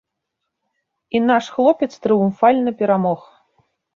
І наш хлопец трыумфальна перамог.